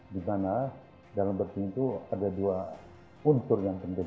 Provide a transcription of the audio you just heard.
dimana dalam bertinju itu ada dua unsur yang penting